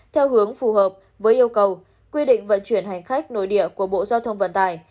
theo hướng phù hợp với yêu cầu quy định vận chuyển hành khách nội địa của bộ giao thông vận tải